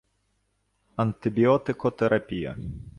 антибіотикотерапія